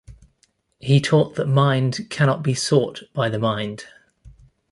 He taught that mind cannot be sought by the mind.